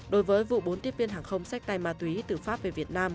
đối với vụ bốn tiếp viên hàng không sách tay ma túy từ pháp về việt nam